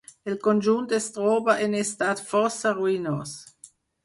El conjunt es troba en estat força ruïnós.